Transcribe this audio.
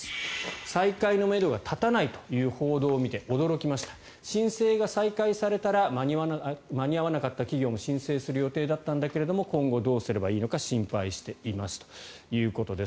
再開のめどが立たないとの報道を見て驚きました申請が再開されたら間に合わなかった企業も申請する予定だったんだけれども今後どうすればいいのか心配していますということです。